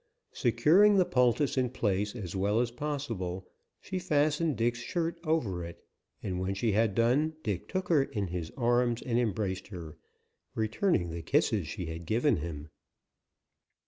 Securing the poultice in place as well as possible, she fastened Dick's shirt over it, and when she had done Dick took her in his arms and embraced her, returning the kisses she had given him.